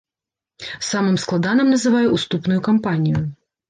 Самым складаным называе уступную кампанію.